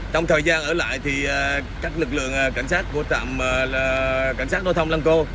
trong thời gian ở lại các lực lượng cảnh sát của trạm cảnh sát nô thông lăng cô